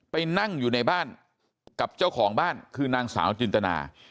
ไปนั่งอยู่ในบ้านกับเจ้าของบ้านคือนางสาวจินตนา